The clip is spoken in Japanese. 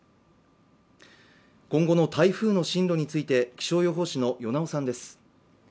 今後の台風の進路について気象予報士の與猶さんです。